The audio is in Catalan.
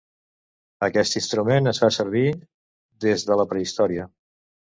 Aquest instrument es fa servir des de la prehistòria.